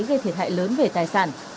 gây thiệt hại lớn về tài sản